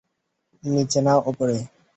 নিচে না উপরে!